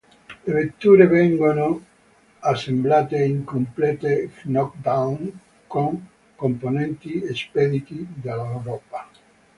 Le vetture vengono assemblate in complete knock down con componenti spediti dall’Europa.